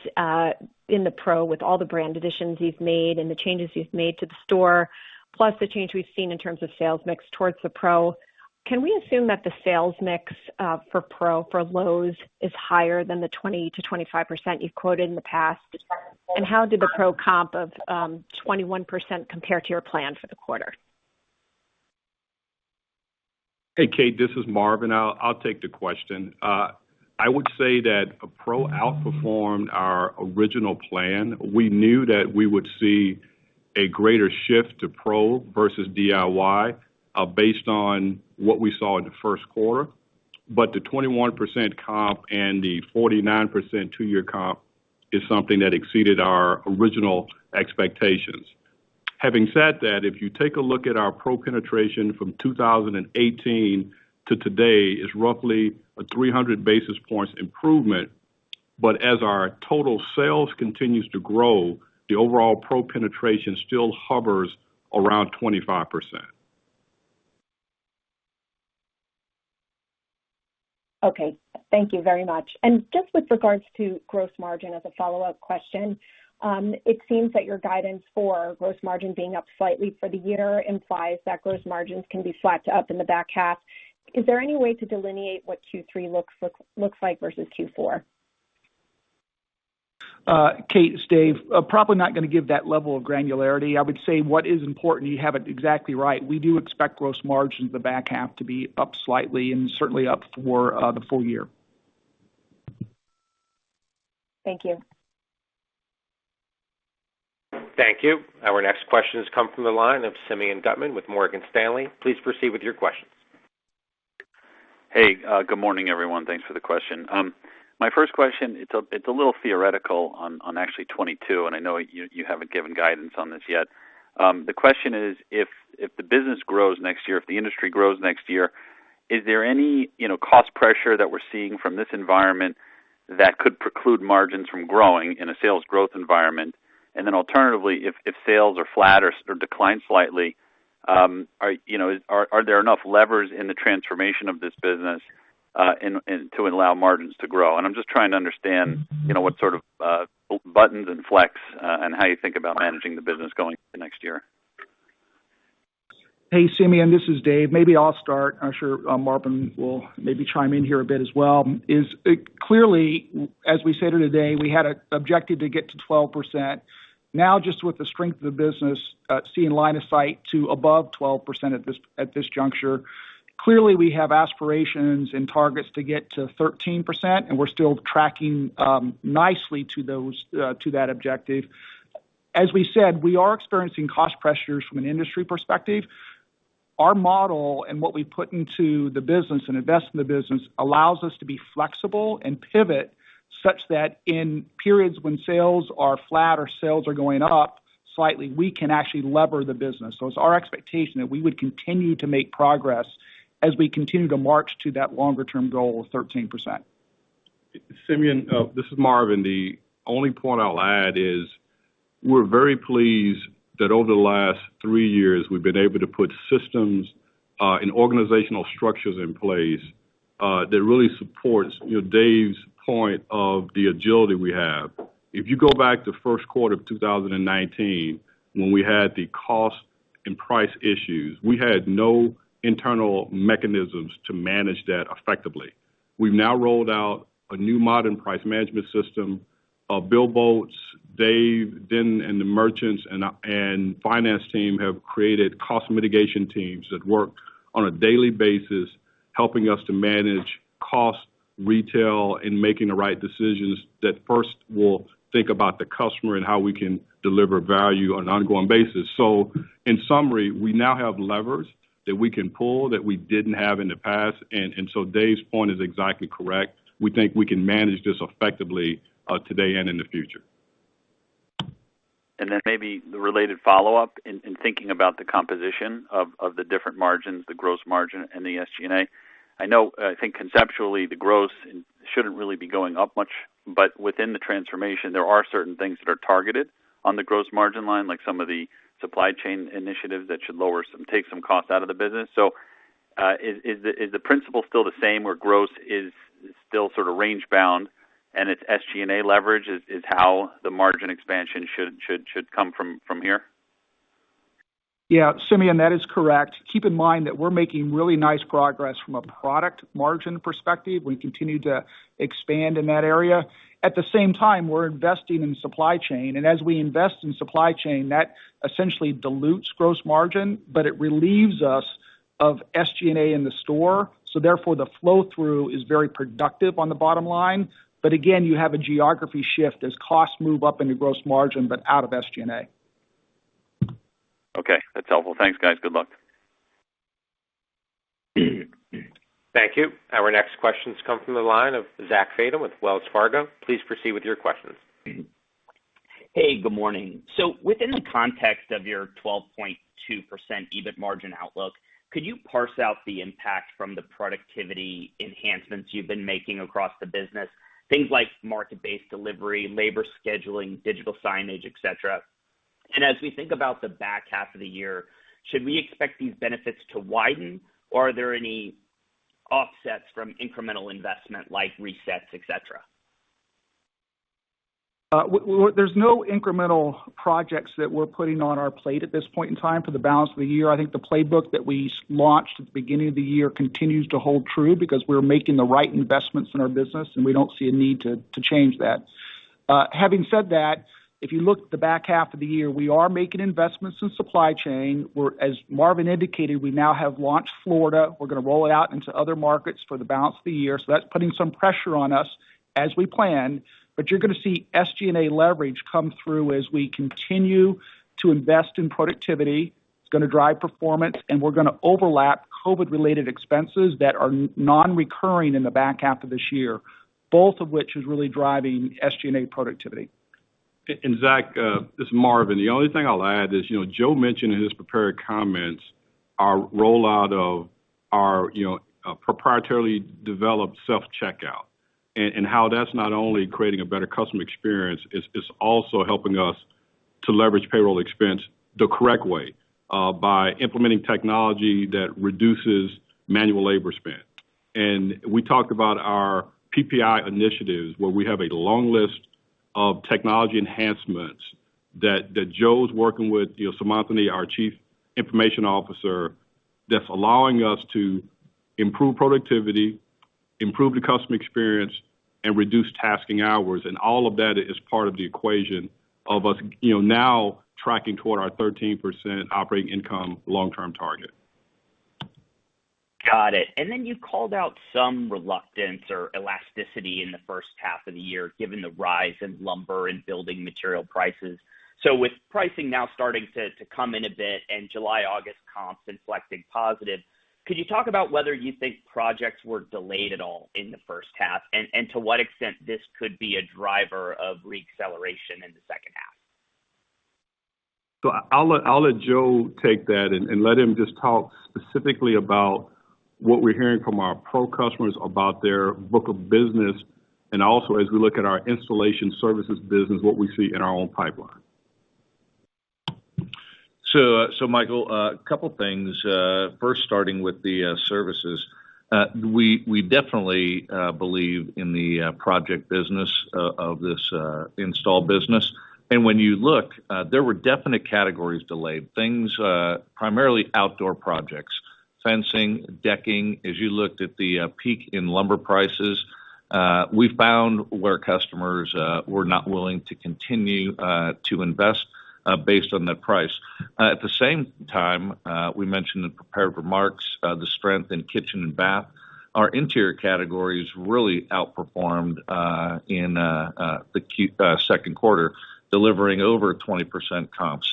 in the Pro with all the brand additions you've made and the changes you've made to the store, plus the change we've seen in terms of sales mix towards the pro, can we assume that the sales mix for Pro for Lowe's is higher than the 20%-25% you've quoted in the past? How did the Pro comp of 21% compare to your plan for the quarter?
Hey, Kate. This is Marvin. I'll take the question. I would say that Pro outperformed our original plan. We knew that we would see a greater shift to Pro versus DIY, based on what we saw in the first quarter. The 21% comp and the 49% two-year comp is something that exceeded our original expectations. Having said that, if you take a look at our Pro penetration from 2018 to today is roughly a 300 basis points improvement. As our total sales continues to grow, the overall Pro penetration still hovers around 25%.
Okay. Thank you very much. Just with regards to gross margin as a follow-up question, it seems that your guidance for gross margin being up slightly for the year implies that gross margins can be flat to up in the back half. Is there any way to delineate what Q3 looks like versus Q4?
Kate, it's Dave. Probably not going to give that level of granularity. I would say what is important, you have it exactly right. We do expect gross margins in the back half to be up slightly and certainly up for the full year.
Thank you.
Thank you. Our next question has come from the line of Simeon Gutman with Morgan Stanley. Please proceed with your questions.
Hey, good morning, everyone. Thanks for the question. My first question, it's a little theoretical on actually 2022, and I know you haven't given guidance on this yet. The question is, if the business grows next year, if the industry grows next year, is there any cost pressure that we're seeing from this environment that could preclude margins from growing in a sales growth environment? Alternatively, if sales are flat or decline slightly, are there enough levers in the transformation of this business to allow margins to grow? I'm just trying to understand what sort of buttons and flex and how you think about managing the business going into next year.
Hey, Simeon, this is Dave. Maybe I'll start. I'm sure Marvin will maybe chime in here a bit as well. Clearly, as we said today, we had an objective to get to 12%. Now, just with the strength of the business, seeing line of sight to above 12% at this juncture. Clearly, we have aspirations and targets to get to 13%, and we're still tracking nicely to that objective. As we said, we are experiencing cost pressures from an industry perspective. Our model and what we put into the business and invest in the business allows us to be flexible and pivot such that in periods when sales are flat or sales are going up slightly, we can actually lever the business. So it's our expectation that we would continue to make progress as we continue to march to that longer term goal of 13%.
Simeon, this is Marvin. The only point I'll add is we're very pleased that over the last three years, we've been able to put systems and organizational structures in place that really supports Dave's point of the agility we have. If you go back to first quarter of 2019, when we had the cost and price issues, we had no internal mechanisms to manage that effectively. We've now rolled out a new modern price management system. Bill Boltz, Dave Denton, and the merchants and finance team have created cost mitigation teams that work on a daily basis, helping us to manage cost retail and making the right decisions that first will think about the customer and how we can deliver value on an ongoing basis. In summary, we now have levers that we can pull that we didn't have in the past. Dave's point is exactly correct. We think we can manage this effectively, today and in the future.
Maybe the related follow-up in thinking about the composition of the different margins, the gross margin and the SG&A. I know, I think conceptually the gross shouldn't really be going up much, but within the transformation, there are certain things that are targeted on the gross margin line, like some of the supply chain initiatives that should take some cost out of the business. Is the principle still the same, where gross is still sort of range bound and its SG&A leverage is how the margin expansion should come from here?
Yeah, Simeon, that is correct. Keep in mind that we're making really nice progress from a product margin perspective. We continue to expand in that area. At the same time, we're investing in supply chain, and as we invest in supply chain, that essentially dilutes gross margin, but it relieves us of SG&A in the store, so therefore the flow-through is very productive on the bottom line. Again, you have a geography shift as costs move up into gross margin, but out of SG&A.
Okay. That's helpful. Thanks, guys. Good luck.
Thank you. Our next questions come from the line of Zach Fadem with Wells Fargo. Please proceed with your questions.
Hey, good morning. Within the context of your 12.2% EBIT margin outlook, could you parse out the impact from the productivity enhancements you've been making across the business, things like market-based delivery, labor scheduling, digital signage, et cetera? As we think about the back half of the year, should we expect these benefits to widen or are there any offsets from incremental investment like resets, et cetera?
There's no incremental projects that we're putting on our plate at this point in time for the balance of the year. I think the playbook that we launched at the beginning of the year continues to hold true because we're making the right investments in our business, and we don't see a need to change that. Having said that, if you look at the back half of the year, we are making investments in supply chain. As Marvin indicated, we now have launched Florida. We're gonna roll it out into other markets for the balance of the year. That's putting some pressure on us as we plan. You're gonna see SG&A leverage come through as we continue to invest in productivity. It's gonna drive performance, and we're gonna overlap COVID-related expenses that are non-recurring in the back half of this year, both of which is really driving SG&A productivity.
Zach, this is Marvin. The only thing I'll add is, Joe mentioned in his prepared comments our rollout of our proprietarily developed self-checkout, and how that's not only creating a better customer experience, it's also helping us to leverage payroll expense the correct way, by implementing technology that reduces manual labor spend. We talked about our PPI initiatives where we have a long list of technology enhancements that Joe's working with Seemantini Godbole, our Chief Digital and Information Officer, that's allowing us to improve productivity, improve the customer experience, and reduce tasking hours. All of that is part of the equation of us now tracking toward our 13% operating income long-term target.
Got it. You called out some reluctance or elasticity in the first half of the year, given the rise in lumber and building material prices. With pricing now starting to come in a bit and July, August comps inflecting positive, could you talk about whether you think projects were delayed at all in the first half? To what extent this could be a driver of re-acceleration in the second half?
I'll let Joe take that and let him just talk specifically about what we're hearing from our Pro customers about their book of business, and also as we look at our installation services business, what we see in our own pipeline.
Michael, a couple things. First starting with the services. We definitely believe in the project business of this install business. When you look, there were definite categories delayed. Things, primarily outdoor projects, fencing, decking. As you looked at the peak in lumber prices We found where customers were not willing to continue to invest based on the price. At the same time, we mentioned in prepared remarks, the strength in kitchen and bath. Our interior categories really outperformed in the second quarter, delivering over 20% comp.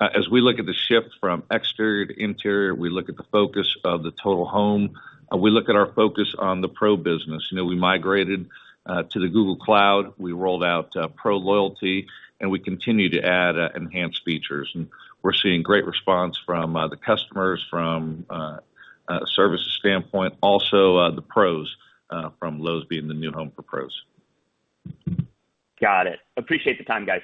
As we look at the shift from exterior to interior, we look at the focus of the Total Home, and we look at our focus on the Pro business. We migrated to the Google Cloud, we rolled out Pro Loyalty, and we continue to add enhanced features. We're seeing great response from the customers from a services standpoint, also the pros from Lowe's being the new home for pros.
Got it. Appreciate the time, guys.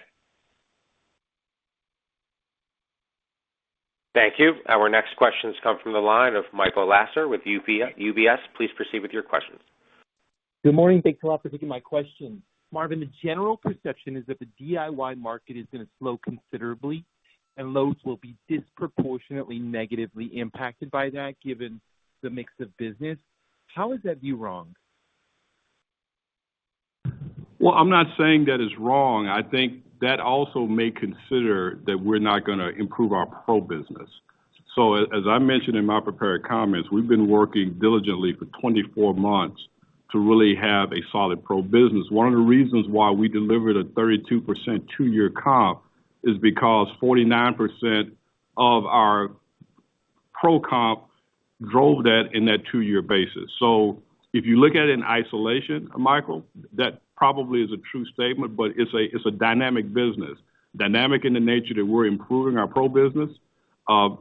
Thank you. Our next questions come from the line of Michael Lasser with UBS. Please proceed with your questions.
Good morning. Thanks a lot for taking my questions. Marvin, the general perception is that the DIY market is going to slow considerably and Lowe's will be disproportionately negatively impacted by that, given the mix of business. How is that view wrong?
I'm not saying that it's wrong. I think that also may consider that we're not going to improve our Pro business. As I mentioned in my prepared comments, we've been working diligently for 24 months to really have a solid Pro business. One of the reasons why we delivered a 32% two-year comp is because 49% of our Pro comp drove that in that two-year basis. If you look at it in isolation, Michael, that probably is a true statement, but it's a dynamic business, dynamic in the nature that we're improving our Pro business,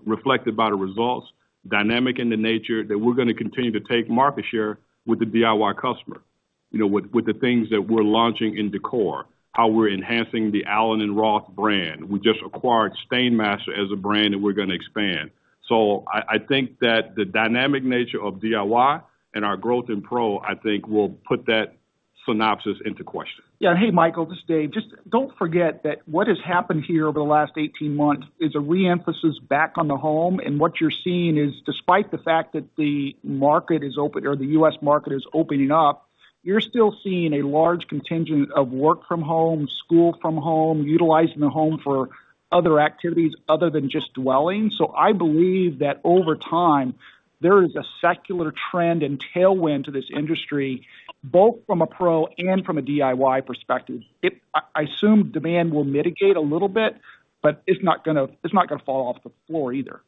reflected by the results, dynamic in the nature that we're going to continue to take market share with the DIY customer, with the things that we're launching in decor, how we're enhancing the allen + roth brand. We just acquired Stainmaster as a brand that we're going to expand. I think that the dynamic nature of DIY and our growth in Pro, I think, will put that synopsis into question.
Yeah. Hey, Michael, this is Dave. Just don't forget that what has happened here over the last 18 months is a re-emphasis back on the home, and what you're seeing is despite the fact that the U.S. market is opening up, you're still seeing a large contingent of work from home, school from home, utilizing the home for other activities other than just dwelling. I believe that over time there is a secular trend and tailwind to this industry, both from a Pro and from a DIY perspective. I assume demand will mitigate a little bit, but it's not going to fall off the floor either.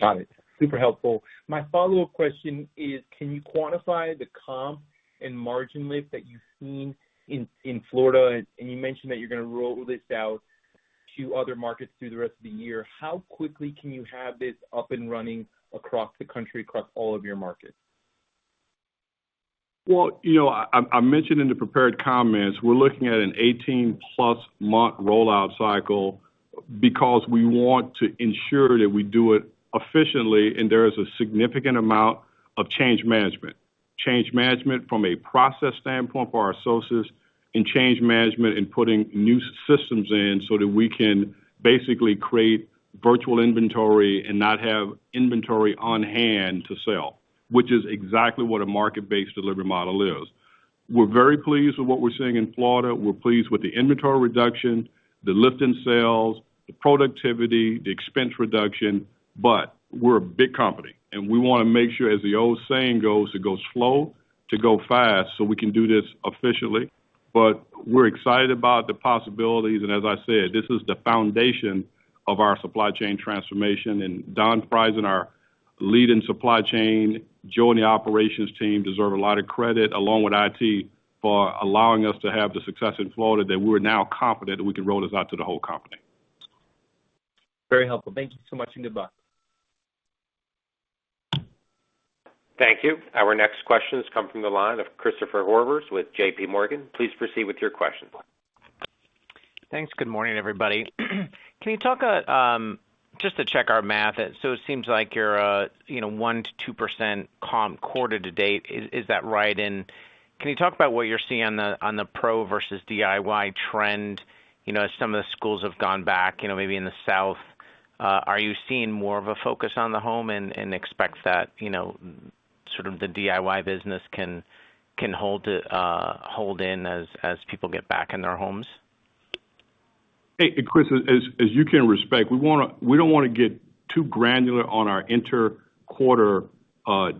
Got it. Super helpful. My follow-up question is, can you quantify the comp and margin lift that you've seen in Florida? You mentioned that you're going to roll this out to other markets through the rest of the year. How quickly can you have this up and running across the country, across all of your markets?
Well, I mentioned in the prepared comments, we're looking at an 18+ month rollout cycle because we want to ensure that we do it efficiently, and there is a significant amount of change management. Change management from a process standpoint for our associates and change management in putting new systems in so that we can basically create virtual inventory and not have inventory on hand to sell, which is exactly what a market-based delivery model is. We're very pleased with what we're seeing in Florida. We're pleased with the inventory reduction, the lift in sales, the productivity, the expense reduction. But we're a big company, and we want to make sure, as the old saying goes, it goes slow to go fast, so we can do this efficiently. We're excited about the possibilities, and as I said, this is the foundation of our supply chain transformation, and Don Frieson, our lead in supply chain, Joe in the operations team deserve a lot of credit, along with IT, for allowing us to have the success in Florida that we're now confident we can roll this out to the whole company.
Very helpful. Thank you so much, and goodbye.
Thank you. Our next questions come from the line of Christopher Horvers with JPMorgan. Please proceed with your questions.
Thanks. Good morning, everybody. Just to check our math, it seems like you're 1%-2% comp quarter to date. Is that right? Can you talk about what you're seeing on the Pro versus DIY trend? As some of the schools have gone back, maybe in the South, are you seeing more of a focus on the home and expect that sort of the DIY business can hold in as people get back in their homes?
Hey, Chris, as you can respect, we don't want to get too granular on our inter-quarter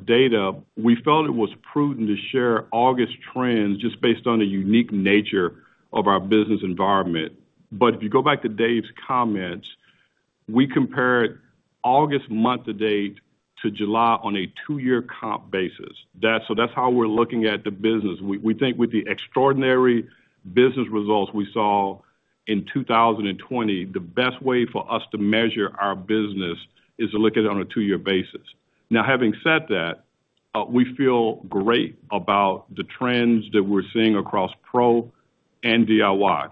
data. We felt it was prudent to share August trends just based on the unique nature of our business environment. If you go back to Dave's comments, we compared August month to date to July on a two-year comp basis. That's how we're looking at the business. We think with the extraordinary business results we saw in 2020, the best way for us to measure our business is to look at it on a two-year basis. Having said that, we feel great about the trends that we're seeing across Pro and DIY.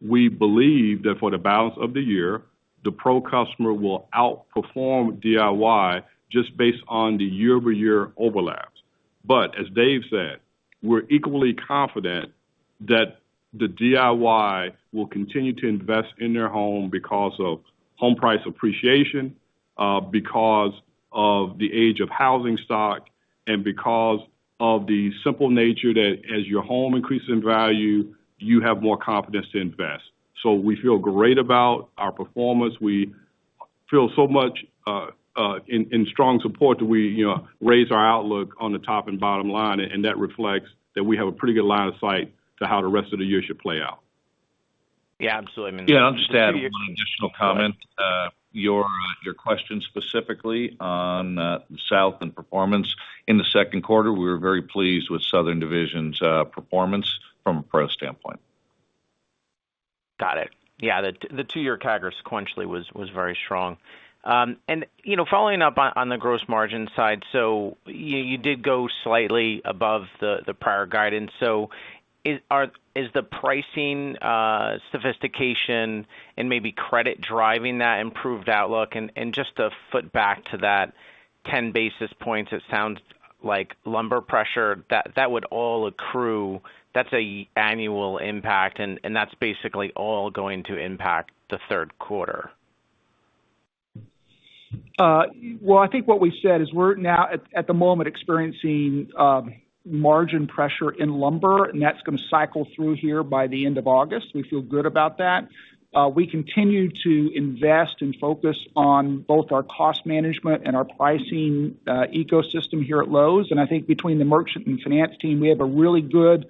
We believe that for the balance of the year, the Pro customer will outperform DIY just based on the year-over-year overlaps. As Dave said, we're equally confident that the DIY will continue to invest in their home because of home price appreciation, because of the age of housing stock, and because of the simple nature that as your home increases in value, you have more confidence to invest. We feel great about our performance. We feel so much in strong support that we raise our outlook on the top and bottom line, and that reflects that we have a pretty good line of sight to how the rest of the year should play out.
Yeah, absolutely.
Yeah, I understand. One additional comment. Your question specifically on the Southern Division and performance in the second quarter, we were very pleased with Southern Division's performance from a Pro standpoint.
Got it. Yeah, the two-year CAGR sequentially was very strong. Following up on the gross margin side, you did go slightly above the prior guidance. Is the pricing sophistication and maybe credit driving that improved outlook? Just to foot back to that 10 basis points, it sounds like lumber pressure, that would all accrue, that's an annual impact and that's basically all going to impact the third quarter.
I think what we said is we're now at the moment experiencing margin pressure in lumber, and that's going to cycle through here by the end of August. We feel good about that. We continue to invest and focus on both our cost management and our pricing ecosystem here at Lowe's. I think between the merchant and finance team, we have a really good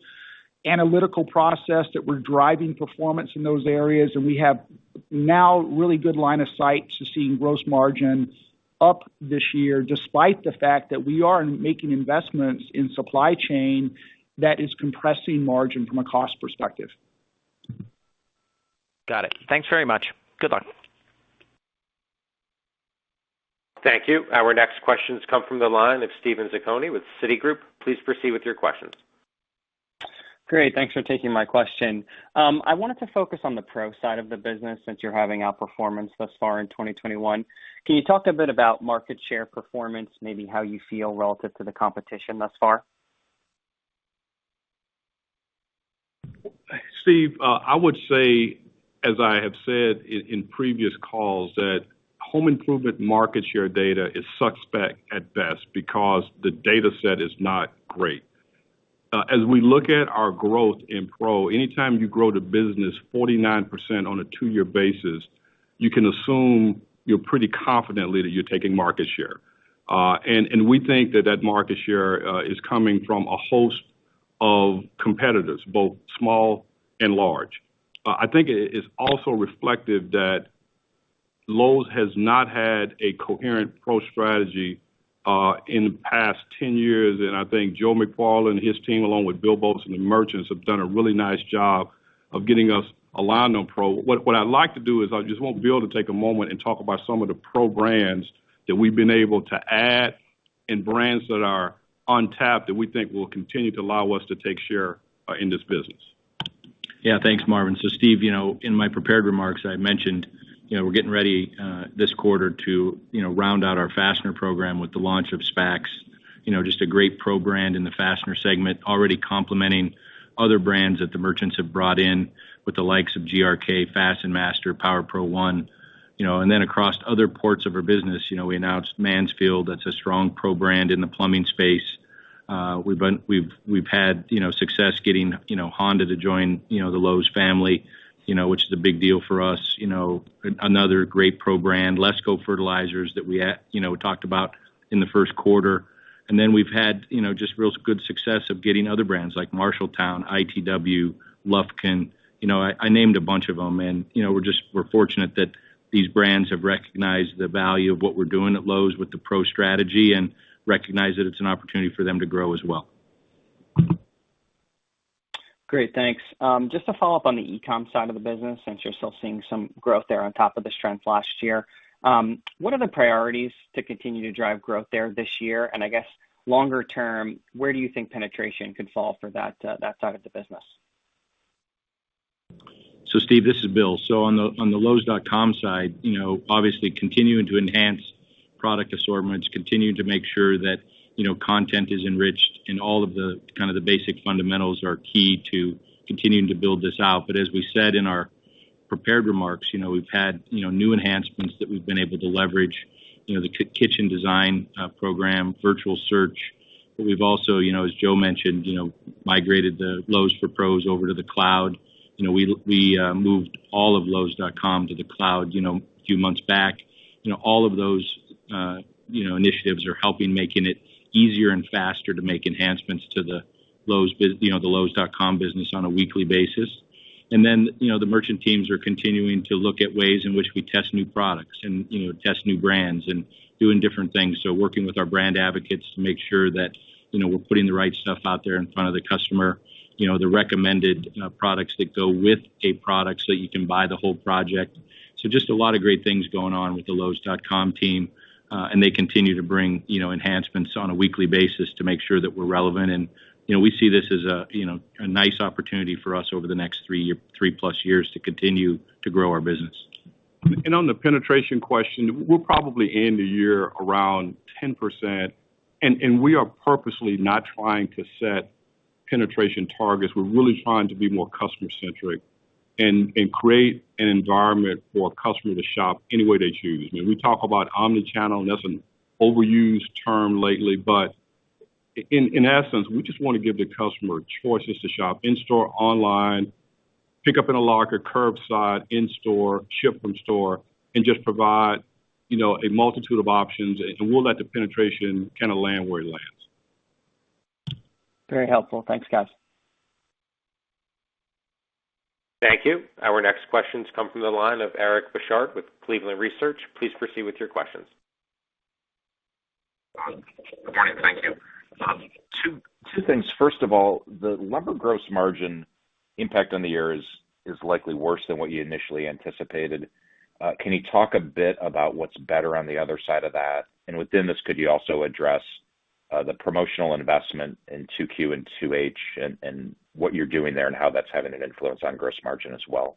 analytical process that we're driving performance in those areas, and we have now really good line of sight to seeing gross margin up this year, despite the fact that we are making investments in supply chain that is compressing margin from a cost perspective.
Got it. Thanks very much. Good luck.
Thank you. Our next questions come from the line of Steven Zaccone with Citigroup. Please proceed with your questions.
Great. Thanks for taking my question. I wanted to focus on the Pro side of the business, since you're having outperformance thus far in 2021. Can you talk a bit about market share performance, maybe how you feel relative to the competition thus far?
Steve, I would say, as I have said in previous calls, that home improvement market share data is suspect at best because the data set is not great. As we look at our growth in pro, anytime you grow the business 49% on a two-year basis, you can assume pretty confidently that you're taking market share. We think that that market share is coming from a host of competitors, both small and large. I think it is also reflective that Lowe's has not had a coherent Pro strategy in the past 10 years, and I think Joe McFarland and his team, along with Bill Boltz and the merchants, have done a really nice job of getting us aligned on pro. What I'd like to do is I just want Bill to take a moment and talk about some of the Pro brands that we've been able to add and brands that are untapped that we think will continue to allow us to take share in this business.
Yeah. Thanks, Marvin. Steve, in my prepared remarks, I mentioned we're getting ready this quarter to round out our fastener program with the launch of SPAX. Just a great Pro brand in the fastener segment, already complementing other brands that the merchants have brought in with the likes of GRK, FastenMaster, Power Pro ONE. Across other parts of our business, we announced Mansfield. That's a strong Pro brand in the plumbing space. We've had success getting Honda to join the Lowe's family, which is a big deal for us. Another great Pro brand, LESCO Fertilizers that we talked about in the first quarter. We've had just real good success of getting other brands like Marshalltown, ITW, Lufkin. I named a bunch of them, and we're fortunate that these brands have recognized the value of what we're doing at Lowe's with the Pro strategy and recognize that it's an opportunity for them to grow as well.
Great, thanks. Just to follow up on the e-com side of the business, since you're still seeing some growth there on top of the strength last year, what are the priorities to continue to drive growth there this year? I guess longer term, where do you think penetration could fall for that side of the business?
Steven, this is Bill. On the lowes.com side, obviously continuing to enhance product assortments, continuing to make sure that content is enriched and all of the basic fundamentals are key to continuing to build this out. As we said in our prepared remarks, we've had new enhancements that we've been able to leverage, the kitchen design program, Visual Search. We've also, as Joe mentioned, migrated the Lowe's for Pros over to the cloud. We moved all of lowes.com to the cloud a few months back. All of those initiatives are helping making it easier and faster to make enhancements to the lowes.com business on a weekly basis. The merchant teams are continuing to look at ways in which we test new products and test new brands and doing different things. Working with our brand advocates to make sure that we're putting the right stuff out there in front of the customer, the recommended products that go with a product so that you can buy the whole project. Just a lot of great things going on with the lowes.com team, and they continue to bring enhancements on a weekly basis to make sure that we're relevant. We see this as a nice opportunity for us over the next 3+ years to continue to grow our business.
On the penetration question, we'll probably end the year around 10%, and we are purposely not trying to set penetration targets. We're really trying to be more customer-centric and create an environment for a customer to shop any way they choose. We talk about omni-channel, and that's an overused term lately, but in essence, we just want to give the customer choices to shop in-store, online, pick up in a locker, curbside, in-store, ship from store, and just provide a multitude of options, and we'll let the penetration land where it lands.
Very helpful. Thanks, guys.
Thank you. Our next questions come from the line of Eric Bosshard with Cleveland Research. Please proceed with your questions.
Good morning. Thank you. Two things. First of all, the lumber gross margin impact on the year is likely worse than what you initially anticipated. Can you talk a bit about what's better on the other side of that? Within this, could you also address the promotional investment in 2Q and 2H, and what you're doing there and how that's having an influence on gross margin as well?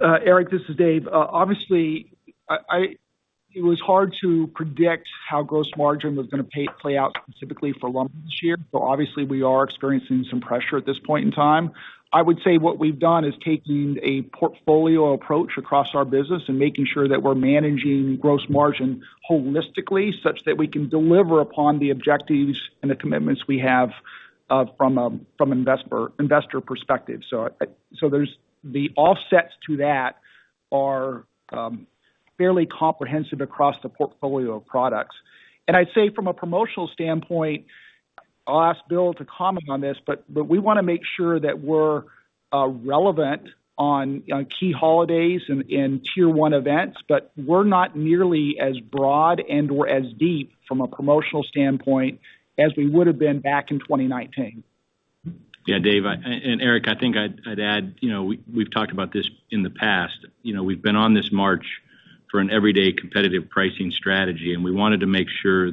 Eric, this is Dave. Obviously, it was hard to predict how gross margin was going to play out specifically for lumber this year. Obviously, we are experiencing some pressure at this point in time. I would say what we've done is taking a portfolio approach across our business and making sure that we're managing gross margin holistically, such that we can deliver upon the objectives and the commitments we have from investor perspective. The offsets to that are fairly comprehensive across the portfolio of products. I'd say from a promotional standpoint, I'll ask Bill to comment on this, but we want to make sure that we're relevant on key holidays and Tier 1 events, but we're not nearly as broad and/or as deep from a promotional standpoint as we would have been back in 2019.
Yeah, Dave, and Eric, I think I'd add, we've talked about this in the past. We've been on this march for an everyday competitive pricing strategy, and we wanted to make sure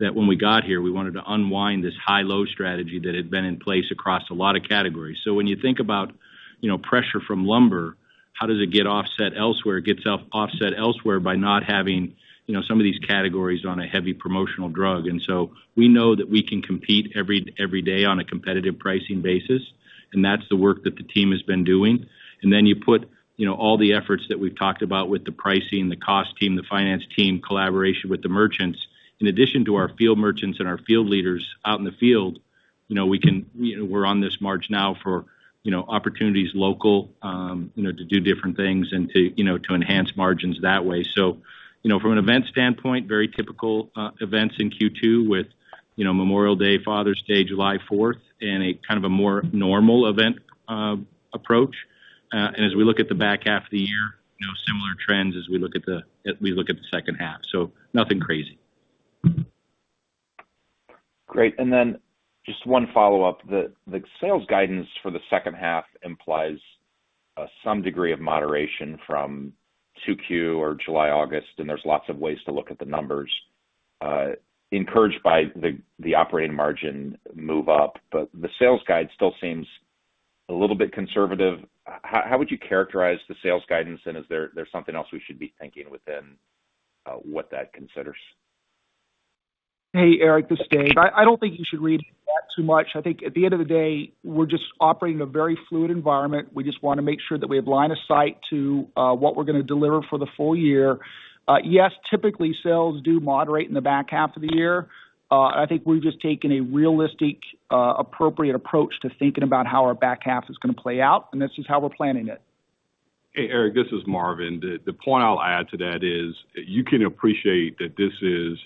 that when we got here, we wanted to unwind this high-low strategy that had been in place across a lot of categories. When you think about pressure from lumber, how does it get offset elsewhere? It gets offset elsewhere by not having some of these categories on a heavy promotional drag. We know that we can compete every day on a competitive pricing basis, and that's the work that the team has been doing. Then you put all the efforts that we've talked about with the pricing, the cost team, the finance team, collaboration with the merchants, in addition to our field merchants and our field leaders out in the field, we're on this march now for opportunities local, to do different things and to enhance margins that way. From an event standpoint, very typical events in Q2 with Memorial Day, Father's Day, July 4th, and a kind of a more normal event approach. As we look at the back half of the year, similar trends as we look at the second half. Nothing crazy.
Great. Just one follow-up. The sales guidance for the second half implies some degree of moderation from 2Q or July, August, and there's lots of ways to look at the numbers. Encouraged by the operating margin move up. The sales guide still seems a little bit conservative. How would you characterize the sales guidance, and is there something else we should be thinking within what that considers?
Hey, Eric, this is Dave. I don't think you should read into that too much. I think at the end of the day, we're just operating in a very fluid environment. We just want to make sure that we have line of sight to what we're going to deliver for the full year. Yes, typically, sales do moderate in the back half of the year. I think we've just taken a realistic, appropriate approach to thinking about how our back half is going to play out, and that's just how we're planning it.
Hey, Eric, this is Marvin. The point I'll add to that is you can appreciate that this is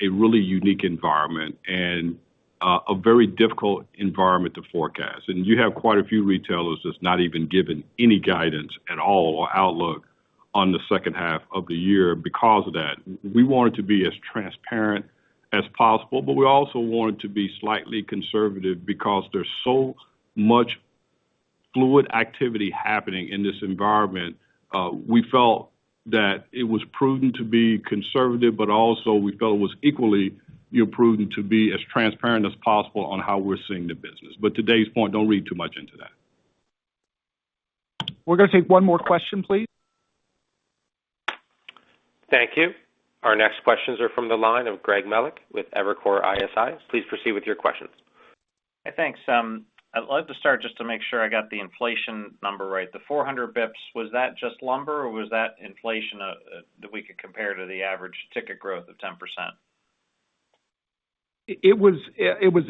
a really unique environment and a very difficult environment to forecast. You have quite a few retailers that's not even given any guidance at all or outlook on the second half of the year because of that. We wanted to be as transparent as possible, we also wanted to be slightly conservative because there's so much fluid activity happening in this environment. We felt that it was prudent to be conservative, also we felt it was equally prudent to be as transparent as possible on how we're seeing the business. Today's point, don't read too much into that.
We're going to take one more question, please.
Thank you. Our next questions are from the line of Greg Melich with Evercore ISI. Please proceed with your questions.
Hey, thanks. I'd love to start just to make sure I got the inflation number right. The 400 basis points, was that just lumber or was that inflation that we could compare to the average ticket growth of 10%?
It was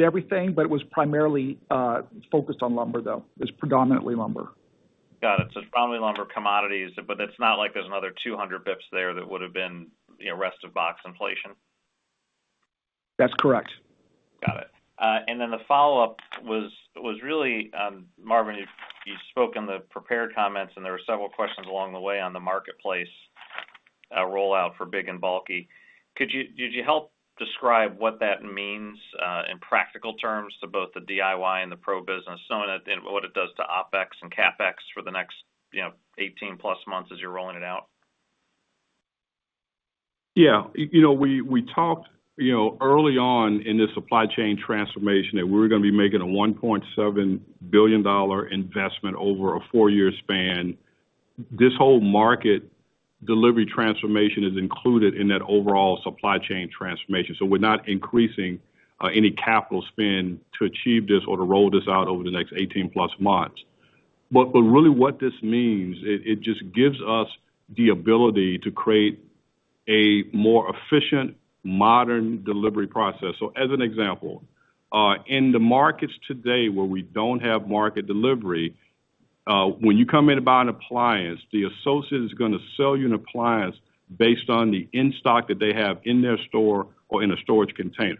everything, but it was primarily focused on lumber, though. It was predominantly lumber.
Got it. It's predominantly lumber commodities, but it's not like there's another 200 basis points there that would've been rest of box inflation?
That's correct.
Got it. Then the follow-up was really, Marvin, you've spoken the prepared comments, and there were several questions along the way on the marketplace rollout for big and bulky. Could you help describe what that means in practical terms to both the DIY and the Pro business, and what it does to OpEx and CapEx for the next 18+ months as you're rolling it out?
Yeah. We talked early on in this supply chain transformation that we were going to be making a $1.7 billion investment over a four years span. This whole market delivery transformation is included in that overall supply chain transformation, we're not increasing any capital spend to achieve this or to roll this out over the next 18+ months. Really what this means, it just gives us the ability to create a more efficient, modern delivery process. As an example, in the markets today where we don't have market delivery, when you come in to buy an appliance, the associate is going to sell you an appliance based on the in-stock that they have in their store or in a storage container.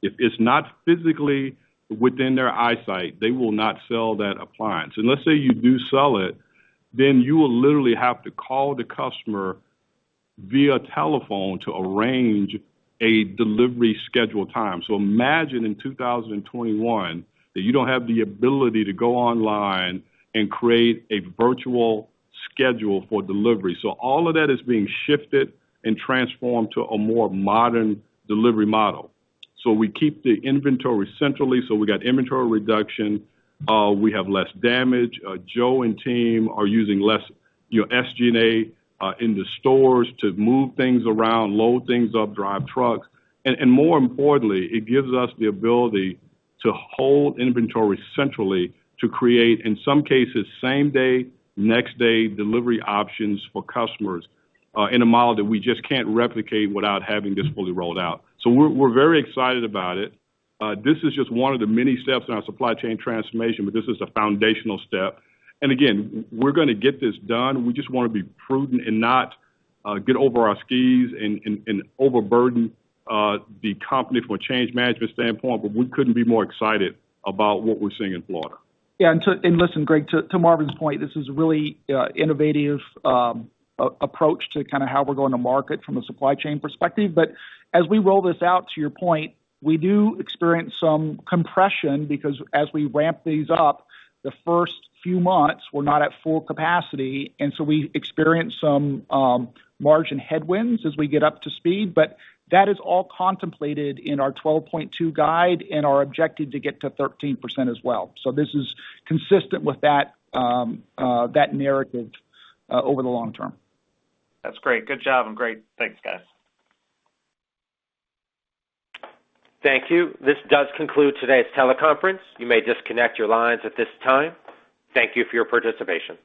If it's not physically within their eyesight, they will not sell that appliance. Let's say you do sell it, then you will literally have to call the customer via telephone to arrange a delivery schedule time. Imagine in 2021 that you don't have the ability to go online and create a virtual schedule for delivery. All of that is being shifted and transformed to a more modern delivery model. We keep the inventory centrally, so we got inventory reduction, we have less damage. Joe and team are using less SG&A in the stores to move things around, load things up, drive trucks. More importantly, it gives us the ability to hold inventory centrally to create, in some cases, same-day, next-day delivery options for customers in a model that we just can't replicate without having this fully rolled out. We're very excited about it. This is just one of the many steps in our supply chain transformation, this is a foundational step. Again, we're going to get this done. We just want to be prudent and not get over our skis and overburden the company from a change management standpoint, we couldn't be more excited about what we're seeing in Florida.
Yeah, listen, Greg, to Marvin's point, this is a really innovative approach to how we're going to market from a supply chain perspective. As we roll this out, to your point, we do experience some compression because as we ramp these up, the first few months, we're not at full capacity, we experience some margin headwinds as we get up to speed. That is all contemplated in our 12.2% guide and our objective to get to 13% as well. This is consistent with that narrative over the long term.
That's great. Good job and great. Thanks, guys.
Thank you. This does conclude today's teleconference. You may disconnect your lines at this time. Thank you for your participation.